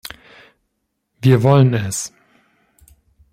Wir wollen es.